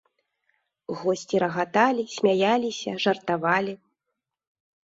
Госці рагаталі, смяяліся, жартавалі.